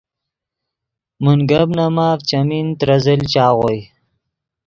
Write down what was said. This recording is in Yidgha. من گپ نے ماف چیمین ترے زل چاغوئے